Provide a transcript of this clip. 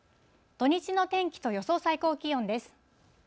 土日の天気と予想最高気温です。